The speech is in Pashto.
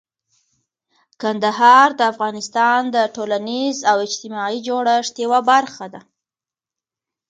کندهار د افغانستان د ټولنیز او اجتماعي جوړښت یوه برخه ده.